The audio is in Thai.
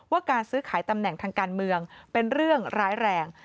การซื้อขายตำแหน่งทางการเมืองเป็นเรื่องร้ายแรง